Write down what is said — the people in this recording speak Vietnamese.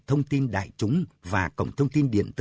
thông tin đại chúng và cổng thông tin điện tử